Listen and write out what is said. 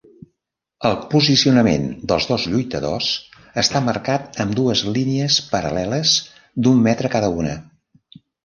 El posicionament dels dos lluitadors està marcat amb dues línies paral·leles d'un metre cada una.